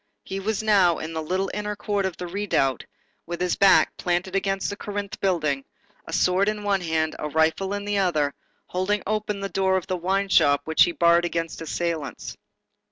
He was now in the little inner court of the redoubt, with his back planted against the Corinthe building, a sword in one hand, a rifle in the other, holding open the door of the wine shop which he barred against assailants.